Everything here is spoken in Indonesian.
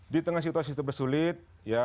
di tengah situasi yang serba sulit